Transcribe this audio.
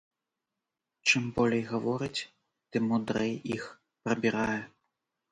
Чым болей гаворыць, тым мудрэй іх прабірае.